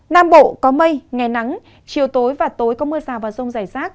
nam bộ có mây ngày nắng chiều tối và tối có mưa rào và rông rải rác